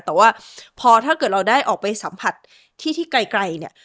แต่ว่าพอถ้าเกิดเราได้ออกไปสัมผัสที่ที่ไกลเนี่ย